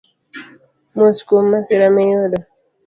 Mos kuom masira miyudo